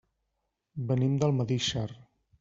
Venim d'Almedíxer.